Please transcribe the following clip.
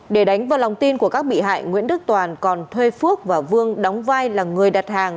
để đánh vào lòng tin của các bị hại nguyễn đức toàn còn thuê phước và vương đóng vai là người đặt hàng